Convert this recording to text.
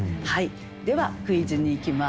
ではクイズにいきます。